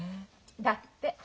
だって。